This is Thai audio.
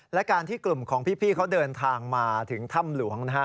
และการที่กลุ่มของพี่เขาเดินทางมาถึงถ้ำหลวง